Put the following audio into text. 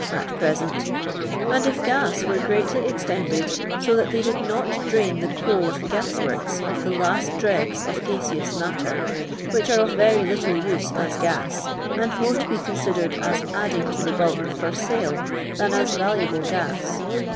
I at present), and if gas were greatly extended, so that thoy did not drain the coal of the gns worki of the la^t dn'gs of ga«enus matter, which are of very little use <is gap, and more to be considered as adding to the bulk for sale than as valuable . gas.